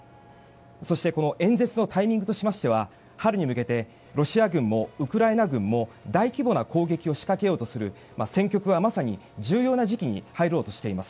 そして演説のタイミングとしては春に向けてロシア軍もウクライナ軍も大規模な攻撃を仕掛けようとする戦局は、まさに重要な時期に入ろうとしています。